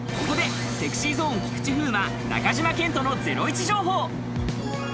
ここでＳｅｘｙＺｏｎｅ菊池風磨、中島健人のゼロイチ情報。